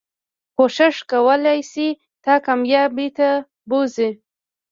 کوښښ کولی شي تا کاميابی ته بوځي